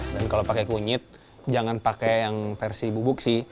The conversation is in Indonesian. dan kalau pakai kunyit jangan pakai yang versi bubuk sih